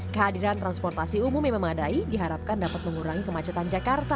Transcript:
kehadiran transportasi umum yang memadai diharapkan dapat mengurangi kemacetan jakarta